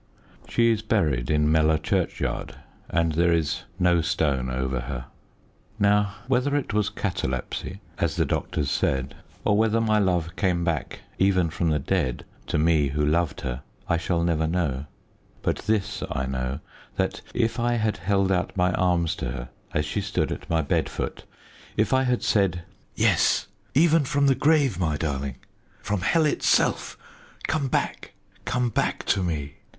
She is buried in Mellor churchyard, and there is no stone over her. Now, whether it was catalepsy as the doctors said or whether my love came back even from the dead to me who loved her, I shall never know; but this I know that, if I had held out my arms to her as she stood at my bed foot if I had said, "Yes, even from the grave, my darling from hell itself, come back, come back to me!"